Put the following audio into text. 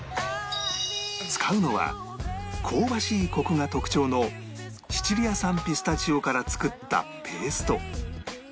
使うのは香ばしいコクが特徴のシチリア産ピスタチオから作ったペースト